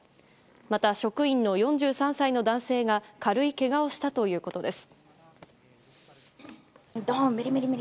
また職員の４３歳の男性が軽いけがをしたということです。